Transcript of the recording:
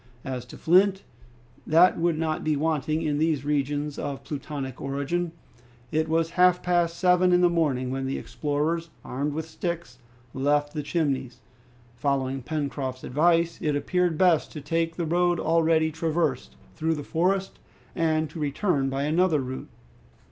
As to flint, that would not be wanting in these regions of Plutonic origin. It was half past seven in the morning when the explorers, armed with sticks, left the Chimneys. Following Pencroft's advice, it appeared best to take the road already traversed through the forest, and to return by another route.